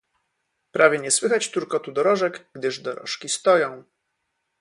"Prawie nie słychać turkotu dorożek, gdyż dorożki stoją."